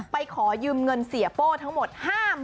ขอยืมเงินเสียโป้ทั้งหมด๕๐๐๐